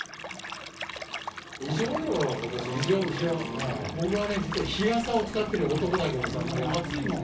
異常よ、ことし、異常、僕はね、実は日傘を使ってる、男だけどさ、もう暑いもん。